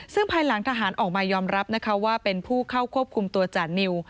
ซึ่งภายหลังทหารออกมายอมรับนะคะว่าเป็นผู้เข้าควบคุมตัวจานิว